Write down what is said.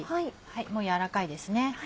もう軟らかいですね。